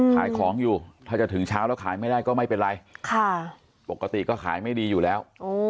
ขายของอยู่ถ้าจะถึงเช้าแล้วขายไม่ได้ก็ไม่เป็นไรปกติก็ขายไม่ดีอยู่แล้ว